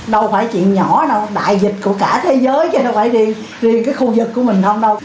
đâu phải chuyện nhỏ đâu đại dịch của cả thế giới chứ đâu phải riêng cái khu vực của mình không đâu